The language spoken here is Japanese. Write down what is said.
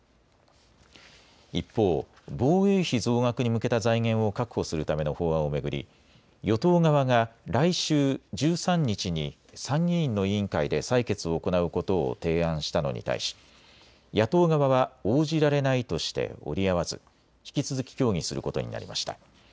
一方、防衛費増額に向けた財源を確保するための法案を巡り与党側が来週１３日に参議院の委員会で採決を行うことを提案したのに対し野党側は応じられないとして折り合わず引き続き協議することになりました。